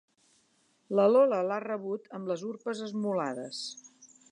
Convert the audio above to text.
La Lola l'ha rebut amb les urpes esmolades.